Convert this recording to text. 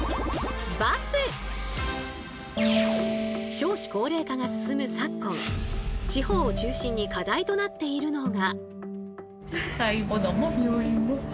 少子高齢化が進む昨今地方を中心に課題となっているのが。